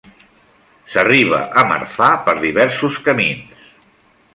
S'arriba a Marfà per diversos camins.